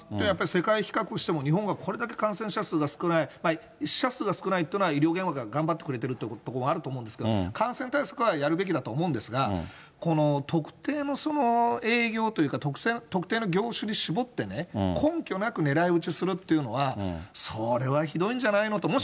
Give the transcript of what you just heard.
やっぱり世界と比較しても、日本がこれだけ感染者数が少ない、死者数が少ないっていうのは医療現場が頑張ってくれているっていうこともあるとは思うんですけど、感染対策はやるべきだと思うんですが、この特定の営業というか、特定の業種に絞ってね、根拠なく狙い撃ちするというのは、それはひどいんじゃないのと。